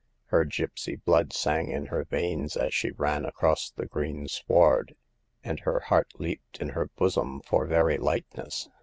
Her gipsy blood sang in her veins as she ran across the green sward, and her heart leaped in her bosom for very lightness.